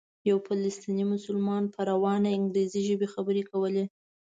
یو فلسطینی مسلمان په روانه انګریزي ژبه خبرې کولې.